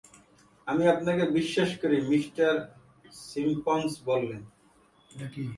আমি আপনাকে বিশ্বাস করি, মি. সিম্পসন বললেন।